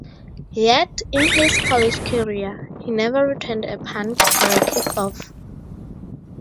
Yet, in his college career, he never returned a punt or a kickoff.